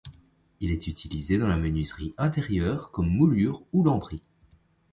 Il est utilisé dans la menuiserie intérieure comme moulures ou lambris.